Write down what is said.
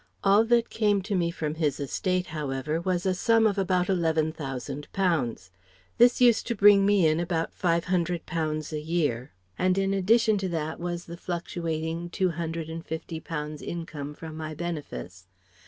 All that came to me from his estate, however, was a sum of about eleven thousand pounds. This used to bring me in about five hundred pounds a year, and in addition to that was the fluctuating two hundred and fifty pounds income from my benefice.